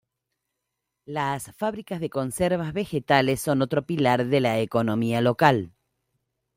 Las fábricas de conservas vegetales son otro pilar de la economía local.